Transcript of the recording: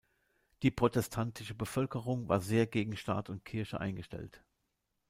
Die protestantische Bevölkerung war sehr gegen Staat und Kirche eingestellt.